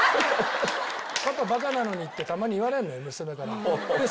パパバカなのにってたまに言われるのよ娘から。